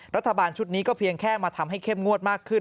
รัฐบาลชุดนี้ก็เพียงแค่มาทำให้เข้มงวดมากขึ้น